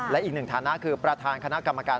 และอีกหนึ่งฐานะคือประธานคณะกรรมการ